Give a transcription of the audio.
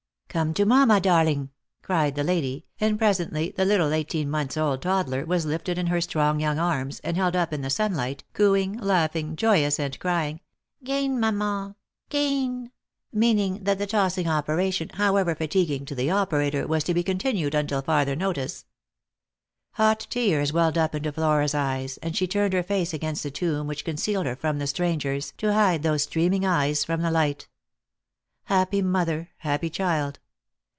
"Come to mamma, darling," cried the lady; and presently the little eighteen months old toddler was lifted in her strong young arms, and held up in the sunlight, cooing, laughing, joyous, and crying, "'Gain, maman, 'gain!" — meaning that the tossing operation, however fatiguing to the operator, was to be continued until farther notice. Hot tears welled rip into Flora's eyes, and she turned her face against the tomb which concealed her from the strangers, to hide those streaming eyes from the light. Happy mother, happy child!